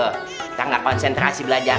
tuh kita gak konsentrasi belajar